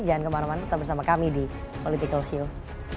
jangan kemana mana tetap bersama kami di politicoal shield